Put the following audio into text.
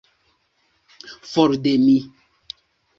For de mi!